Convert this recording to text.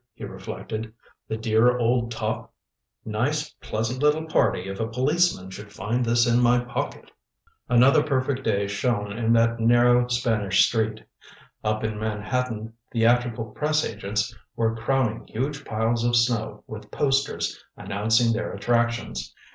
he reflected "The dear old top! Nice, pleasant little party if a policeman should find this in my pocket." Another perfect day shone in that narrow Spanish street. Up in Manhattan theatrical press agents were crowning huge piles of snow with posters announcing their attractions.